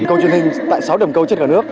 câu chuyện hình tại sáu đồng cầu trên cả nước